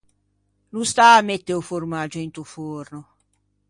No stâ à mette o formaggio into forno.